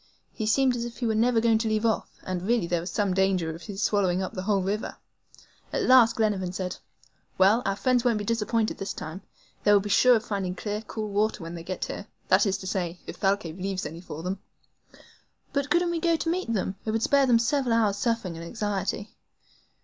He seemed as if he were never going to leave off, and really there was some danger of his swallowing up the whole river. At last Glenarvan said: "Well, our friends won't be disappointed this time; they will be sure of finding clear, cool water when they get here that is to say, if Thalcave leaves any for them." "But couldn't we go to meet them? It would spare them several hours' suffering and anxiety."